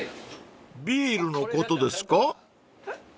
［ビールのことですか？］